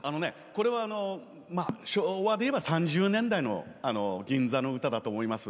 これは昭和でいえば３０年代の銀座の歌だと思います。